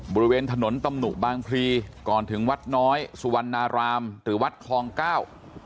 บริเวณถนนตำหนุบางพลีก่อนถึงวัดน้อยสุวรรณารามหรือวัดคลองเก้า